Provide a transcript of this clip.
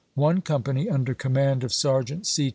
One com pany, under command of Sergeant C.